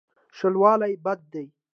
شلوالی بد دی.